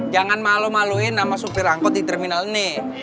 jangan malu maluin sama supir angkut di terminal ini